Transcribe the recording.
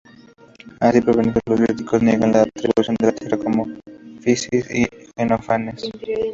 Así prevenidos, los críticos niegan la atribución de la tierra como "physis" en Jenófanes.